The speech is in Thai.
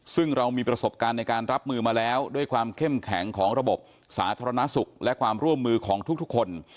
ซึ่งเรามีประสบการณ์ในการรับมือมาแล้วด้วยความเข้มแข็งของระบบสาธารณสุขและความร่วมมือของทุกคน